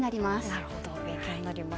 なるほど勉強になります。